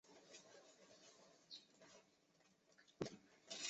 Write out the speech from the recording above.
使增强子与及的相互作用成为可能。